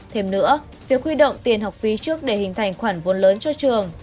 thêm nữa việc huy động tiền học phí trước để hình thành khoản vốn lớn cho trường